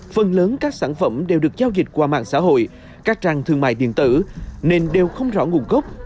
phần lớn các sản phẩm đều được giao dịch qua mạng xã hội các trang thương mại điện tử nên đều không rõ nguồn gốc